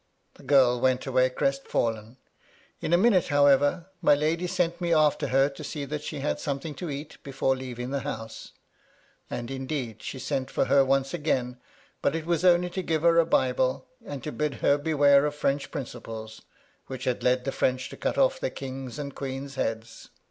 The girl went away crestfallen: in a minute, however, my lady sent me after her to see that she had something to eat before leaving the house ; and, indeed, she sent for her once again, but it was only to give her a Bible, and to bid her beware of French principles, which had led the French to cut off their king's and queen's heads.